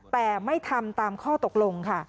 แต่ไม่ทำตามข้อตกลงค่ะ